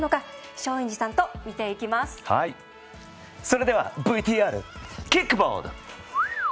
それではＶＴＲキックボード！